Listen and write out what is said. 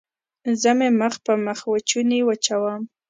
زه مې مخ په مخوچوني وچوم.